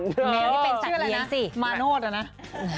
แมวที่เป็นสัตว์เยียงสิ